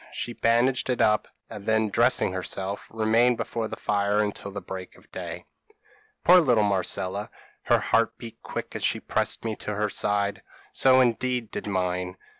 She bandaged it up, and then dressing herself, remained before the fire until the break of day. "Poor little Marcella, her heart beat quick as she pressed me to her side so indeed did mine.